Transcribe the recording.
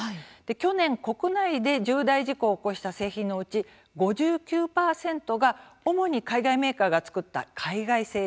去年、国内で重大事故を起こした製品のうち５９％が主に海外メーカーが作った海外製だったというんです。